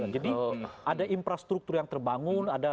jadi ada infrastruktur yang terbangun